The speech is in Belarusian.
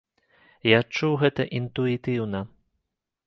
Я адчуў гэта інтуітыўна.